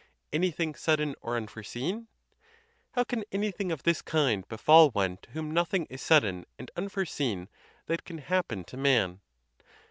Anything sudden or unforeseen? How can any thing of this kind befall one to whom nothing is sudden and unforeseen that can happen to man?